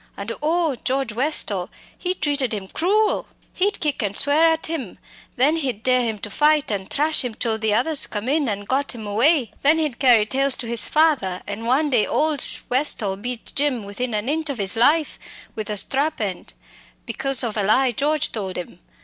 And oh! George Westall he treated him cruel. He'd kick and swear at him; then he'd dare him to fight, an' thrash him till the others came in, an' got him away. Then he'd carry tales to his father, and one day old Westall beat Jim within an inch of 'is life, with a strap end, because of a lie George told 'im.